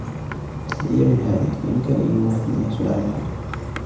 في أيامنا هذه، بإمكان أي واحد أن يحصل على الكتب.